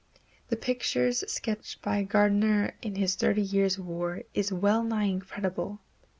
The picture sketched by Gardiner in his Thirty Years' War is well nigh incredible.